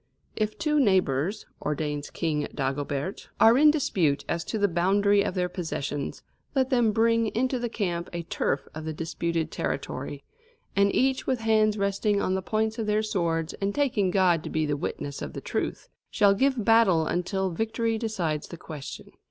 "If two neighbours," ordains King Dagobert, "are in dispute as to the boundary of their possessions, let them bring into the camp a turf of the disputed territory; and each, with hands resting on the points of their swords, and taking God to be the witness of the truth, shall give battle until victory decides the question."